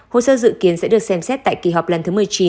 hồ sơ dự kiến sẽ được xem xét tại kỳ họp lần thứ một mươi chín